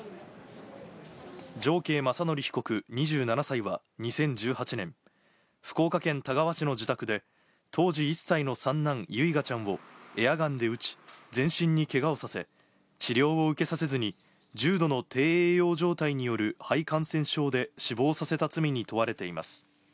常慶まさのり被告２７歳は２０１８年、福岡県田川市の自宅で当時１歳の三男、ゆいがちゃんをエアガンで撃ち、全身にけがをさせ、治療を受けさせずに重度の低栄養状態による肺感染症で死亡させた罪に問われています。